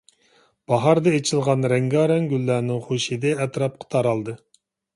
باھاردا ئېچىلغان رەڭگارەڭ گۈللەرنىڭ خۇش ھىدى ئەتراپقا تارالدى.